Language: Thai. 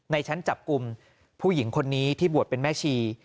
ในชั้นจับกลุ่มผู้หญิงคนนี้ที่บวชเป็นแม่ชี